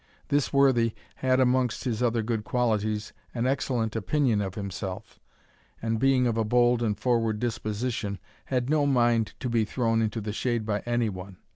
This worthy had, amongst his other good qualities, an excellent opinion of himself; and, being of a bold and forward disposition, had no mind to be thrown into the shade by any one.